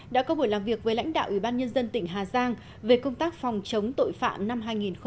đã có buổi làm việc với lãnh đạo ủy ban nhân dân tỉnh hà giang về công tác phòng chống tội phạm năm hai nghìn một mươi chín